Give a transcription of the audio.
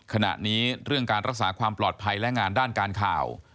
ขณะนี้เรื่องการรักษาความปลอดภัยและงานด้านการข่าว